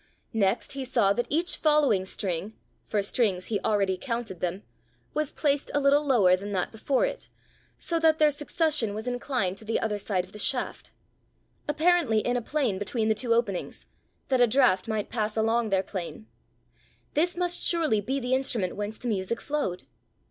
Next he saw that each following string for strings he already counted them was placed a little lower than that before it, so that their succession was inclined to the other side of the shaft apparently in a plane between the two openings, that a draught might pass along their plane: this must surely be the instrument whence the music flowed!